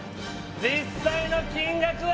実際の金額は？